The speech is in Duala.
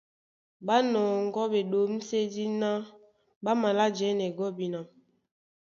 Ɓá nɔŋgɔ́ ɓeɗǒmsédí ná ɓá malá jɛ́nɛ gɔ́bina.